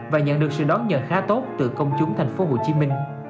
và nhận được sự đón nhận khá tốt từ công chúng tp hcm